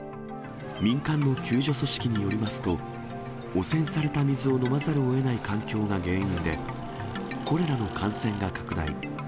民間の救助組織によりますと、汚染された水を飲まざるえない環境が原因で、コレラの感染が拡大。